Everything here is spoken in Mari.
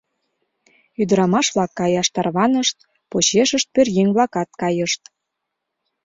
Ӱдырамаш-влак каяш тарванышт, почешышт пӧръеҥ-влакат кайышт.